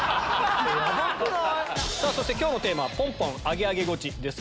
さぁ今日のテーマポンポンアゲアゲゴチです。